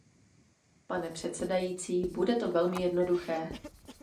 Pane předsedající, bude to velmi jednoduché.